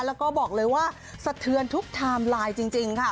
แล้วก็บอกเลยว่าสะเทือนทุกไทม์ไลน์จริงค่ะ